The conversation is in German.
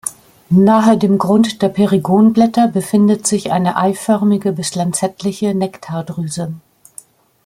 Nahe dem Grund der Perigonblätter befindet sich eine eiförmige bis lanzettliche Nektardrüse.